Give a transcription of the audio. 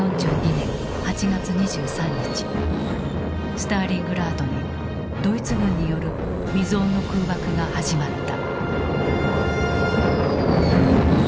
スターリングラードにドイツ軍による未曽有の空爆が始まった。